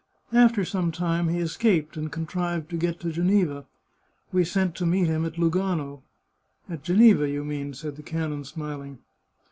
After some time he escaped, and contrived to get to Geneva. We sent to meet him at Lu gano." " At Geneva, you mean," said the canon, smiling.